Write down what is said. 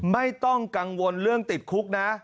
ไม่ต้องกังวลเรื่องติดคุกนะ